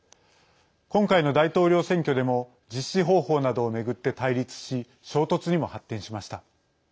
今回の大統領選挙でも実施方法などを巡って対立し衝突にも発展しました。